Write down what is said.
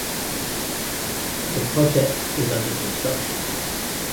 The project is under construction.